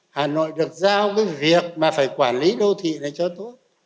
hà nội được giao cái việc mà phải quản lý đô thị này cho tốt